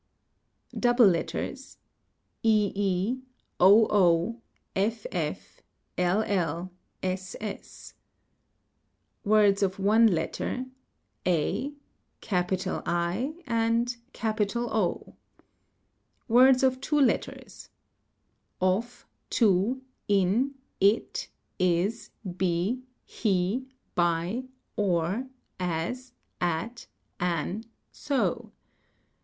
Double letters :—ee oo ff ll ss. Words of one letter :—a, I and O. " Words of two letters :—of, to, in, it, is, be, he, by, or, as, at, an, so.